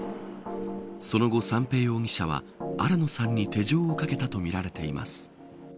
その後、三瓶容疑者は新野さんに手錠をかけたとみられています。